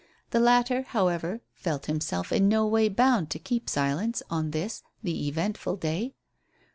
The latter, however, felt himself in no way bound to keep silence on this, the eventful day.